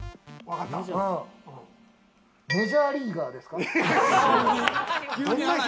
メジャーリーガーですか？